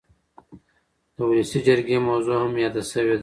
د ولسي جرګې موضوع هم یاده شوې ده.